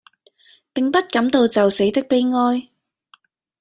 並不感到就死的悲哀。